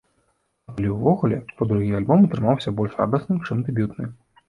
А калі ўвогуле, то другі альбом атрымаўся больш радасным, чым дэбютны.